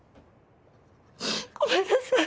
ごめんなさい。